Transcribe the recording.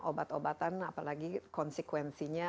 obat obatan apalagi konsekuensinya